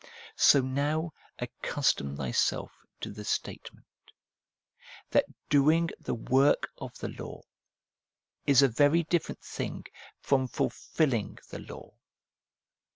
So now accustom thyself to the statement, that doing the work of the law is a very different thing from fulfilling the law.